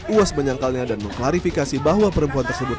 uas menyangkalnya dan mengklarifikasi bahwa perempuan tersebut